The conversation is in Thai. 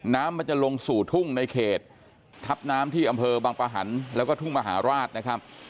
น้ำมันจะลงสู่ทุ่งในเขตทับน้ำที่อำเภอบางปะหันแล้วก็ทุ่งมหาราชนะครับ